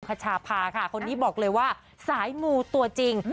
ขชาพาค่ะคนนี้บอกเลยว่าสายมูตัวจริง